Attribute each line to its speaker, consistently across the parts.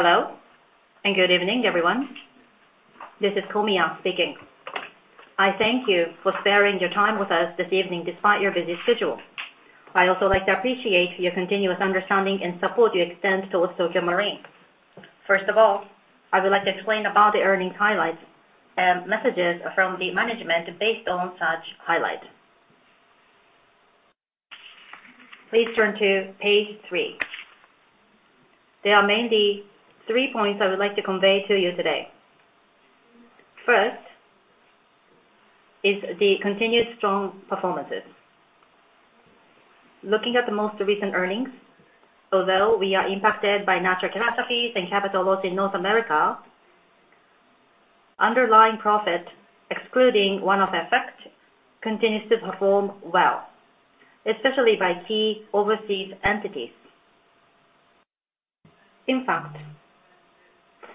Speaker 1: Hello, and good evening, everyone. This is Komiya speaking. I thank you for sparing your time with us this evening, despite your busy schedule. I'd also like to appreciate your continuous understanding and support you extend towards Tokio Marine. First of all, I would like to explain about the earnings highlights and messages from the management based on such highlight. Please turn to page three. There are mainly three points I would like to convey to you today. First, is the continued strong performances. Looking at the most recent earnings, although we are impacted by natural catastrophes and capital loss in North America, underlying profit, excluding one-off effect, continues to perform well, especially by key overseas entities. In fact,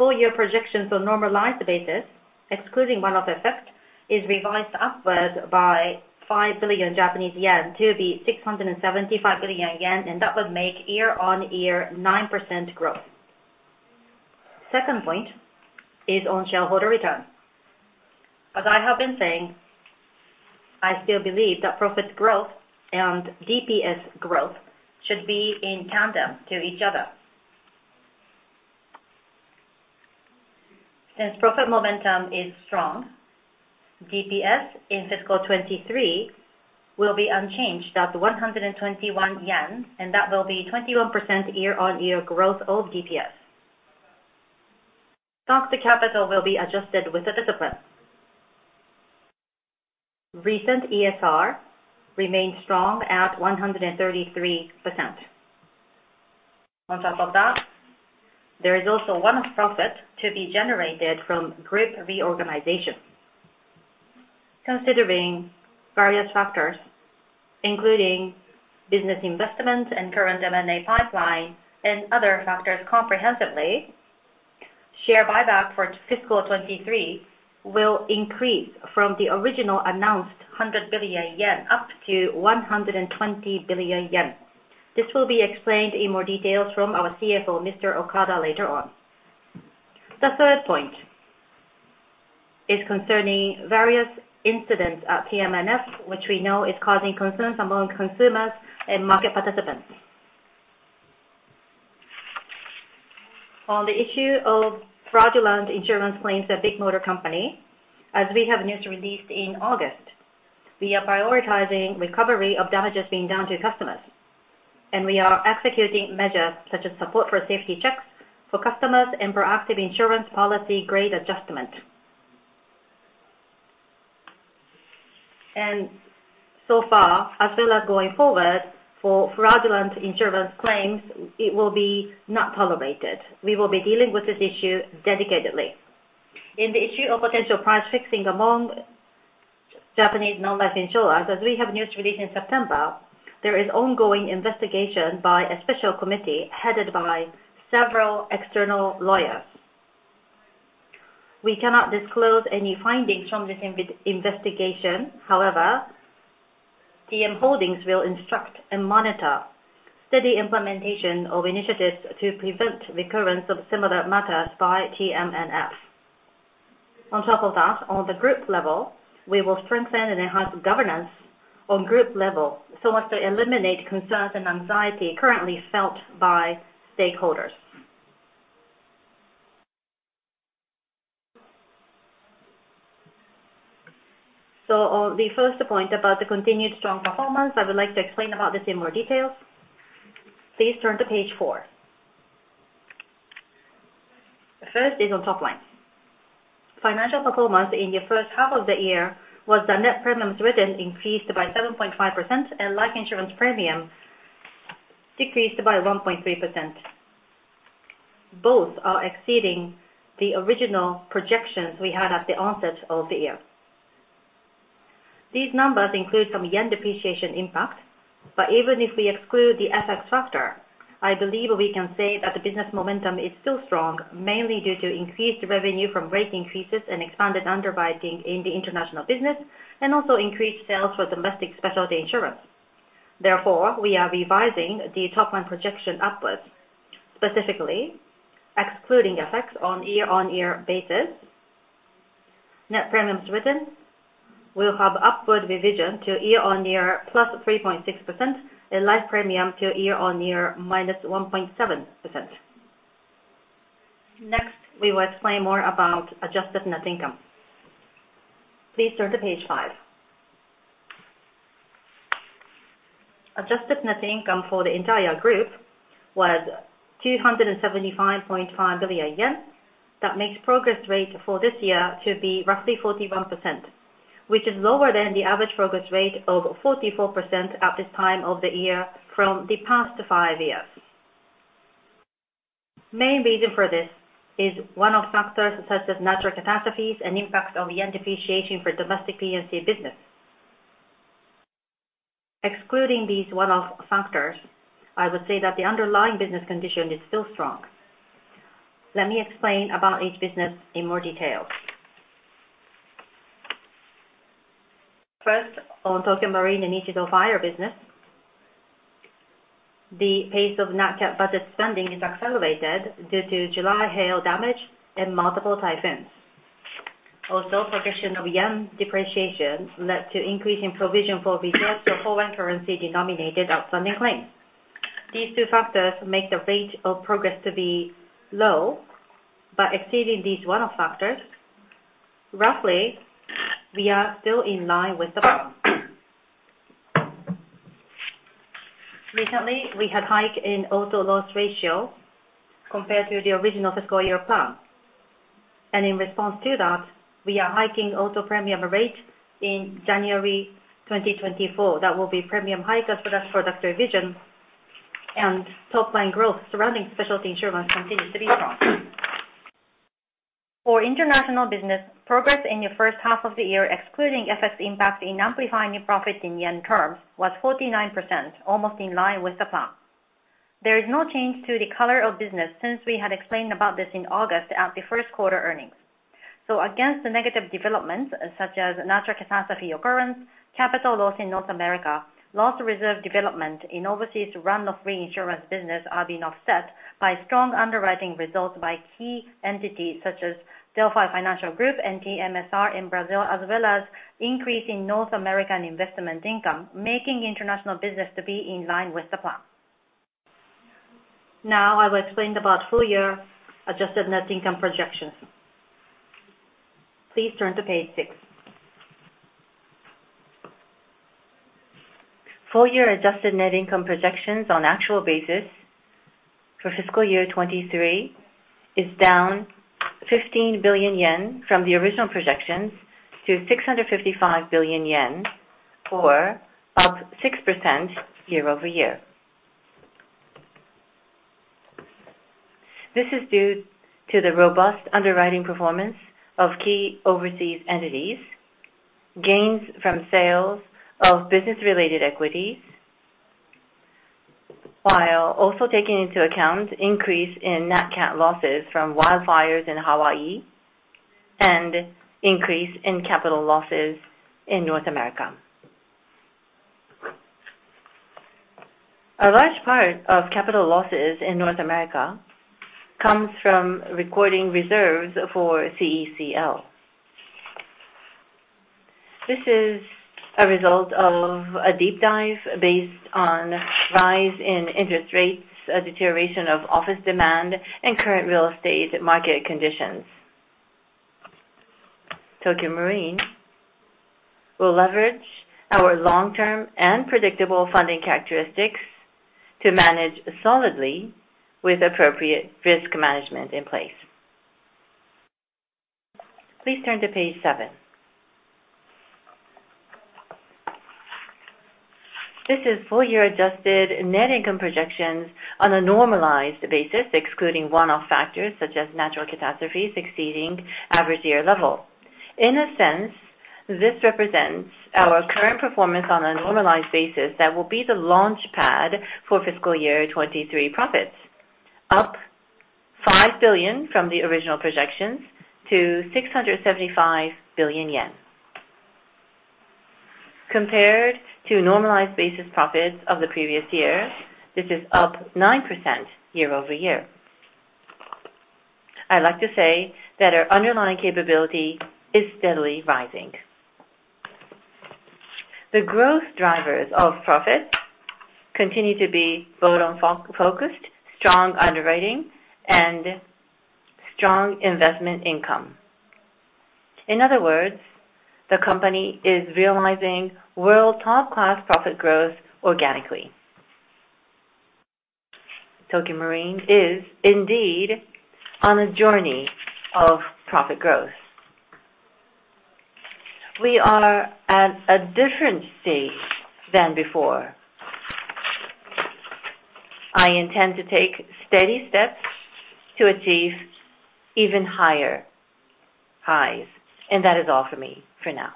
Speaker 1: full year projections on normalized basis, excluding one-off effect, is revised upwards by 5 billion Japanese yen to be 675 billion yen, and that year-on-year 9% growth. Second point is on shareholder return. As I have been saying, I still believe that profit growth and DPS growth should be in tandem to each other. Since profit momentum is strong, DPS in fiscal 2023 will be unchanged at 121 yen, and that will year-on-year growth of DPS. Stock, the capital will be adjusted with the discipline. Recent ESR remains strong at 133%. On top of that, there is also one profit to be generated from group reorganization. Considering various factors, including business investments and current M&A pipeline and other factors comprehensively, share buyback for fiscal 2023 will increase from the original announced 100 billion yen up to 120 billion yen. This will be explained in more details from our CFO, Mr. Okada, later on. The third point is concerning various incidents at TMNF, which we know is causing concerns among consumers and market participants. On the issue of fraudulent insurance claims at Bigmotor Company, as we have news released in August, we are prioritizing recovery of damages being done to customers, and we are executing measures such as support for safety checks for customers and proactive insurance policy grade adjustment. And so far, as well as going forward, for fraudulent insurance claims, it will be not tolerated. We will be dealing with this issue dedicatedly. In the issue of potential price fixing among Japanese non-life insurers, as we have news release in September, there is ongoing investigation by a special committee headed by several external lawyers. We cannot disclose any findings from this investigation. However, TM Holdings will instruct and monitor steady implementation of initiatives to prevent recurrence of similar matters by TMNF. On top of that, on the group level, we will strengthen and enhance governance on group level so as to eliminate concerns and anxiety currently felt by stakeholders. So on the first point about the continued strong performance, I would like to explain about this in more details. Please turn to page four. The first is on top line. Financial performance in the first half of the year was the net premiums written increased by 7.5%, and life insurance premium decreased by 1.3%. Both are exceeding the original projections we had at the onset of the year. These numbers include some yen depreciation impact, but even if we exclude the FX factor, I believe we can say that the business momentum is still strong, mainly due to increased revenue from rate increases and expanded underwriting in the international business, and also increased sales for domestic specialty insurance. Therefore, we are revising the top line projection upwards, specifically excluding year-on-year basis. net premiums written will have upward year-on-year +3.6% and life year-on-year -1.7%. next, we will explain more about adjusted net income. Please turn to page 5. Adjusted net income for the entire group was 275.5 billion yen. That makes progress rate for this year to be roughly 41%, which is lower than the average progress rate of 44% at this time of the year from the past five years. Main reason for this is one-off factors, such as natural catastrophes and impacts of yen depreciation for domestic P&C business. Excluding these one-off factors, I would say that the underlying business condition is still strong. Let me explain about each business in more detail. First, on Tokio Marine and Nichido Fire business, the pace of NatCat budget spending is accelerated due to July hail damage and multiple typhoons. Also, progression of yen depreciation led to increase in provision for reserves for foreign currency denominated outstanding claims. These two factors make the rate of progress to be low, but exceeding these one-off factors, roughly, we are still in line with the plan. Recently, we had hike in auto loss ratio compared to the original fiscal year plan, and in response to that, we are hiking auto premium rate in January 2024. That will be premium hike as product, product revision and top line growth surrounding specialty insurance continues to be strong. For international business, progress in the first half of the year, excluding FX impact in amplifying profit in yen terms, was 49%, almost in line with the plan. There is no change to the color of business since we had explained about this in August at the first quarter earnings. So against the negative developments, such as natural catastrophe occurrence, capital loss in North America, loss reserve development in overseas run-off reinsurance business are being offset by strong underwriting results by key entities such as Delphi Financial Group and TMSR in Brazil, as well as increase in North American investment income, making international business to be in line with the plan. Now, I will explain about full year adjusted net income projections. Please turn to page six. Full year adjusted net income projections on actual basis for fiscal year 2023 is down 15 billion yen from the original projections to 655 billion yen, or up 6% year-over-year. This is due to the robust underwriting performance of key overseas entities, gains from sales of business-related equities, while also taking into account increase in NatCat losses from wildfires in Hawaii and increase in capital losses in North America. A large part of capital losses in North America comes from recording reserves for CECL. This is a result of a deep dive based on rise in interest rates, a deterioration of office demand, and current real estate market conditions. Tokio Marine will leverage our long-term and predictable funding characteristics to manage solidly with appropriate risk management in place. Please turn to page seven. This is full year adjusted net income projections on a normalized basis, excluding one-off factors such as natural catastrophes exceeding average year level. In a sense, this represents our current performance on a normalized basis that will be the launch pad for fiscal year 2023 profits, up 5 billion from the original projections to 675 billion yen. Compared to normalized basis profits of the previous year, this is up 9% year-over-year. I'd like to say that our underlying capability is steadily rising. The growth drivers of profit continue to be bottom line-focused, strong underwriting, and strong investment income. In other words, the company is realizing world top-class profit growth organically. Tokio Marine is indeed on a journey of profit growth. We are at a different stage than before. I intend to take steady steps to achieve even higher highs, and that is all for me for now.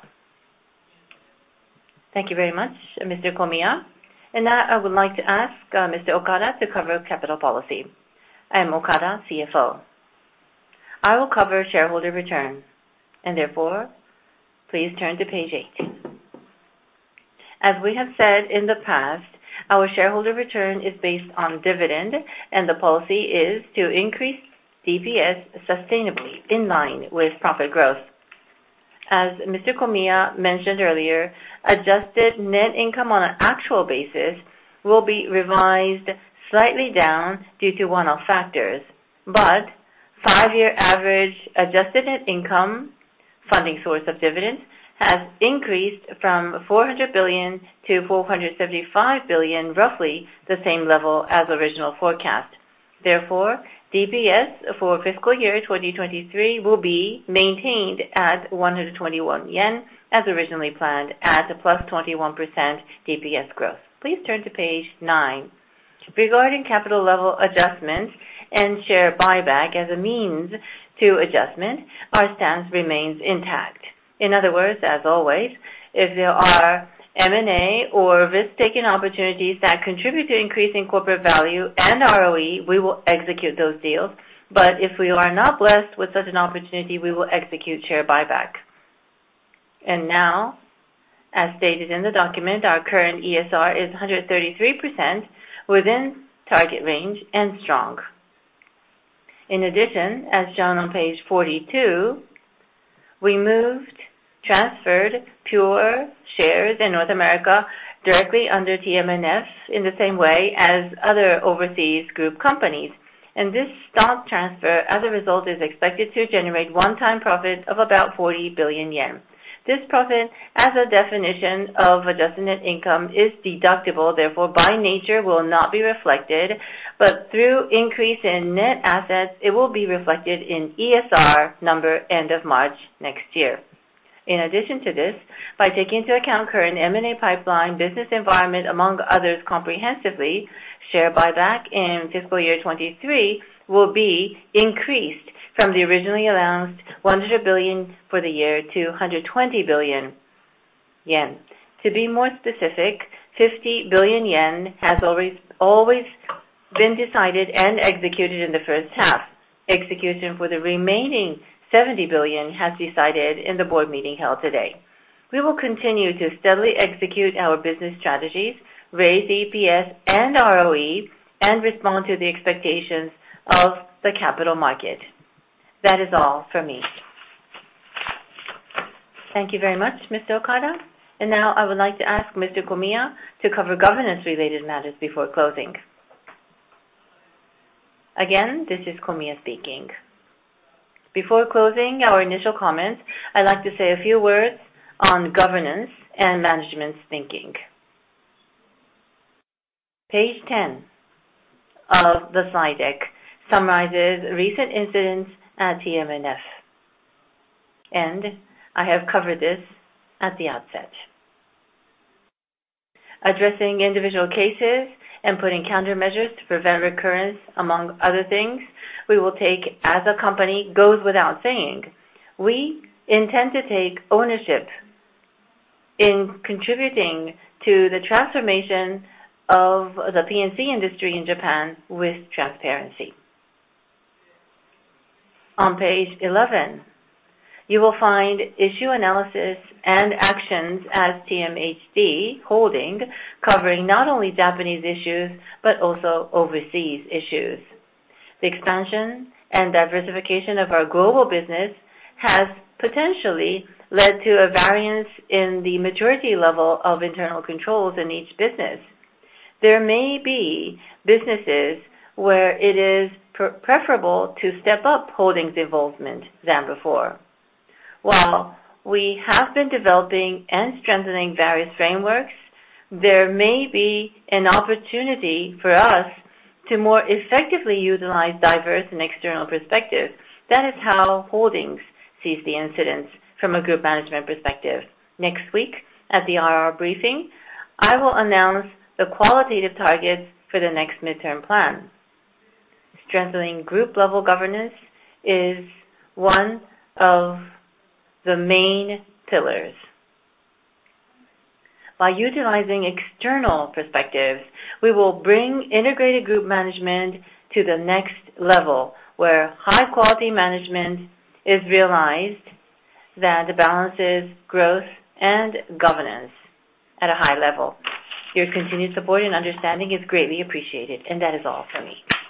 Speaker 2: Thank you very much, Mr. Komiya. Now, I would like to ask Mr. Okada to cover capital policy.
Speaker 3: I am Okada, CFO. I will cover shareholder returns, and therefore, please turn to page 8. As we have said in the past, our shareholder return is based on dividend, and the policy is to increase DPS sustainably in line with profit growth. As Mr. Komiya mentioned earlier, adjusted net income on an actual basis will be revised slightly down due to one-off factors, but five-year average adjusted net income, funding source of dividends, has increased from 400 billion to 475 billion, roughly the same level as original forecast. Therefore, DPS for fiscal year 2023 will be maintained at 121 yen, as originally planned, at a +21% DPS growth. Please turn to page 9. Regarding capital level adjustments and share buyback as a means to adjustment, our stance remains intact. In other words, as always, if there are M&A or risk-taking opportunities that contribute to increasing corporate value and ROE, we will execute those deals. But if we are not blessed with such an opportunity, we will execute share buyback. Now, as stated in the document, our current ESR is 133%, within target range and strong. In addition, as shown on page 42, we moved, transferred PURE shares in North America directly under TMNF, in the same way as other overseas group companies. This stock transfer, as a result, is expected to generate one-time profit of about 40 billion yen. This profit, as a definition of adjusted net income, is deductible, therefore, by nature, will not be reflected. But through increase in net assets, it will be reflected in ESR number end of March next year. In addition to this, by taking into account current M&A pipeline, business environment, among others, comprehensively, share buyback in fiscal year 2023 will be increased from the originally announced 100 billion for the year to 120 billion yen. To be more specific, 50 billion yen has always, always been decided and executed in the first half. Execution for the remaining 70 billion has decided in the board meeting held today. We will continue to steadily execute our business strategies, raise EPS and ROE, and respond to the expectations of the capital market. That is all for me.
Speaker 2: Thank you very much, Mr. Okada. And now I would like to ask Mr. Komiya to cover governance-related matters before closing.
Speaker 1: Again, this is Komiya speaking. Before closing our initial comments, I'd like to say a few words on governance and management's thinking. Page 10 of the slide deck summarizes recent incidents at TMNF, and I have covered this at the outset. Addressing individual cases and putting countermeasures to prevent recurrence, among other things, we will take as a company, goes without saying. We intend to take ownership in contributing to the transformation of the P&C industry in Japan with transparency. On page 11, you will find issue analysis and actions as TMHD Holdings, covering not only Japanese issues, but also overseas issues. The expansion and diversification of our global business has potentially led to a variance in the maturity level of internal controls in each business. There may be businesses where it is preferable to step up Holdings' involvement than before. While we have been developing and strengthening various frameworks, there may be an opportunity for us to more effectively utilize diverse and external perspectives. That is how Holdings sees the incidents from a group management perspective. Next week, at the IR briefing, I will announce the qualitative targets for the next midterm plan. Strengthening group-level governance is one of the main pillars. By utilizing external perspectives, we will bring integrated group management to the next level, where high-quality management is realized, that balances growth and governance at a high level. Your continued support and understanding is greatly appreciated, and that is all for me.